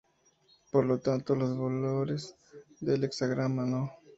Por lo tanto los valores del hexagrama no.